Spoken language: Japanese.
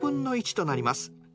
となります。